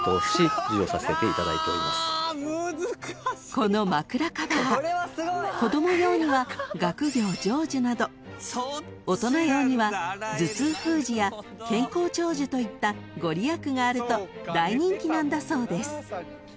［この枕カバー子供用には学業成就など大人用には頭痛封じや健康長寿といった御利益があると大人気なんだそうです］